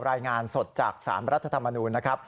รายงานสดจาก๓รัฐธรรมนูญนะครับ